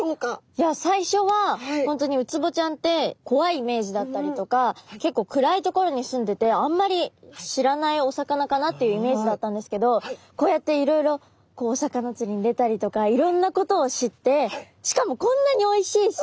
いや最初は本当にウツボちゃんってこわいイメージだったりとか結構暗い所に住んでてあんまり知らないお魚かなっていうイメージだったんですけどこうやっていろいろこうお魚つりに出たりとかいろんなことを知ってしかもこんなにおいしいし。